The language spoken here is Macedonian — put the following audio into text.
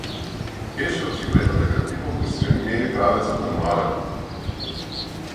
Беше очигледно дека типов го смени правецот на муабетот.